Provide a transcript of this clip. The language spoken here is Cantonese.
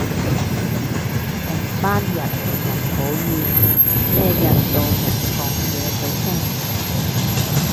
成班人成人抱怨咩印度人講嘢佢聽唔明